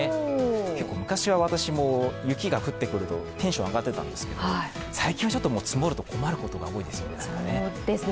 結構、昔は私も雪が降ってくるとテンションが上がっていたんですけれども最近はちょっと積もると困ることが多いですね。